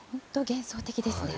幻想的ですね。